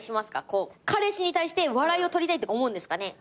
彼氏に対して笑いを取りたいとか思うんですかね？